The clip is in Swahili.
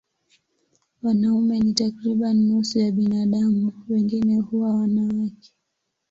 Wanaume ni takriban nusu ya binadamu, wengine huwa wanawake.